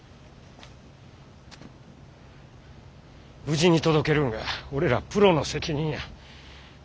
無事に届けるんが俺らプロの責任や。